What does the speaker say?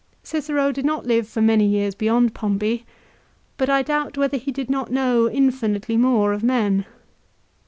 Cicero did not live for many years beyond Pompey but I doubt whether he did not know infinitely more of men.